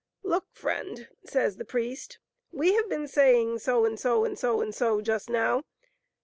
" Look, friend, says the priest. " We have been saying so and so and so and so, just now.